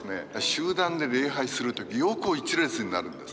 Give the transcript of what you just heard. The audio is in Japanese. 集団で礼拝する時横一列になるんです。